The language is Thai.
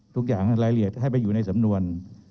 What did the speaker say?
ทุกอย่างรายละเอียดให้ไปอยู่ในสำนวน